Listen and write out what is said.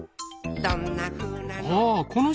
「どんなふうなの？」